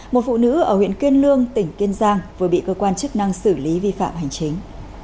một phụ nữ ở huyện kiên lương tỉnh kiên giang vừa bị cơ quan chức năng xử lý vi phạm hành chính